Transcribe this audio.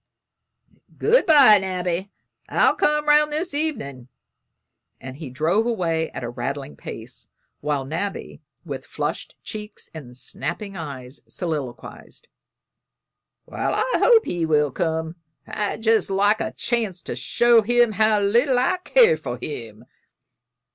"Good bye, Nabby, I'll come 'round this evenin'," and he drove away at a rattling pace, while Nabby, with flushed cheeks and snapping eyes, soliloquized: "Well, I hope he will come! I'd jest like a chance to show him how little I care for him."